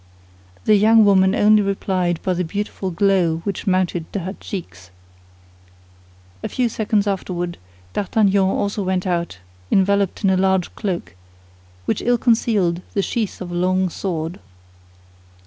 The young woman only replied by the beautiful glow which mounted to her cheeks. A few seconds afterward D'Artagnan also went out enveloped in a large cloak, which ill concealed the sheath of a long sword.